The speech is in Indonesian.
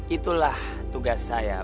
itulah tugas saya